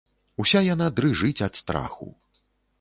Уся яна дрыжыць ад страху.